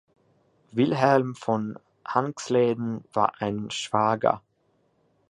Wilhelm von Hanxleden war ein Schwager.